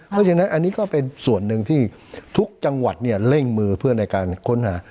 เพราะฉะนั้นอันนี้ก็เป็นส่วนหนึ่งที่ทุกจังหวัดเร่งมือเพื่อในการค้นหา